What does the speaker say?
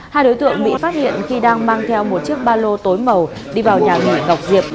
hai đối tượng bị phát hiện khi đang mang theo một chiếc ba lô tối màu đi vào nhà nghỉ ngọc diệp